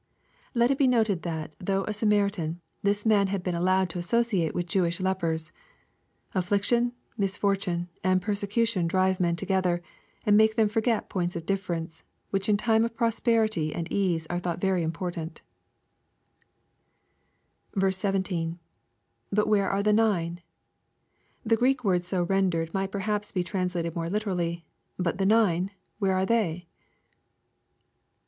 l Let it be noted that though a Samari tan, this man had been allowed to associate with Jewish lepers. Affliction, misfortune, and persecution drive men together, and make them forget points of difference, which in time of prosperity and ease are thought very important, 17. — [But where are the nine f\ The Greek words so rendered might perhaps be translated more Uterally, " But the nine, — ^where are IS.